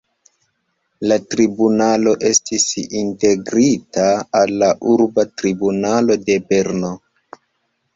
La tribunalo estis integrita al la urba tribunalo de Berno.